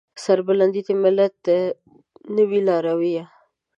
سربلند دې ملت نه دی لارويه